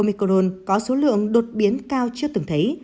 micron có số lượng đột biến cao chưa từng thấy